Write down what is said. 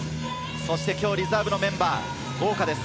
そして今日リザーブのメンバー、豪華です。